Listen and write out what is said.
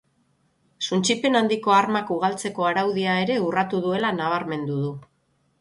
Suntsipen handiko armak ugaltzeko araudia ere urratu duela nabarmendu du.